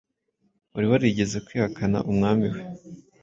wari warigeze kwihakana Umwami we.